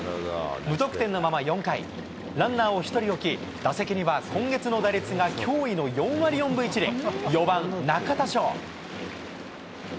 無得点のまま４回、ランナーを１人置き、打席には今月の打率が驚異の４割４分１厘、４番中田翔。